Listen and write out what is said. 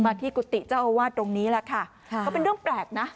ที่กุฏิเจ้าอาวาสตรงนี้แหละค่ะก็เป็นเรื่องแปลกนะ